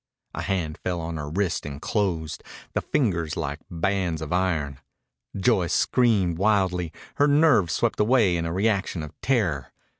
A hand fell on her wrist and closed, the fingers like bands of iron. Joyce screamed wildly, her nerve swept away in a reaction of terror.